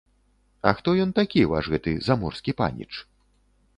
А хто ён такі, ваш гэты заморскі паніч?